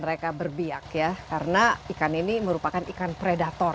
mereka berbiak ya karena ikan ini merupakan ikan predator